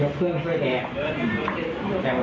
นี่นะคะคือจับไปได้แล้วสาม